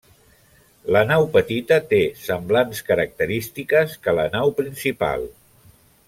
La nau petita té semblants característiques que la nau principal.